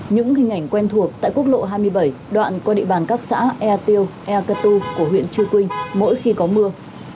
những hình ảnh quen thuộc tại quốc lộ hai mươi bảy đoạn qua địa bàn các xã ea tiêu ea tua của huyện trực quynh mỗi khi có mưa